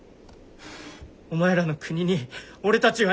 お前らの国に俺たちはいない。